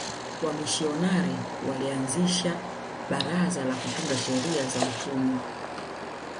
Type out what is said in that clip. wamishionari walianzisha baraza la kutunga sheria za utumwa